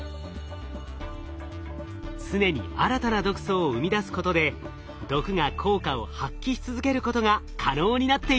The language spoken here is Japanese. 常に新たな毒素を生み出すことで毒が効果を発揮し続けることが可能になっていたのです。